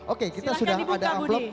oke kita sudah ada amplop